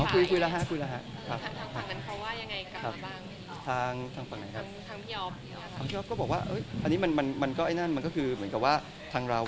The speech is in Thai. พื้นเหมือนเค้าอยู่สวิเลมด้วยใช่ไหมครับ